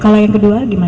kalau yang kedua bagaimana